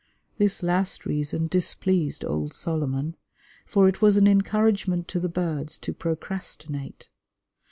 This last reason displeased old Solomon, for it was an encouragement to the birds to procrastinate.